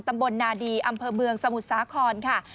ตำบลนาดีอำเภอเมืองสมุทรสาครค่ะ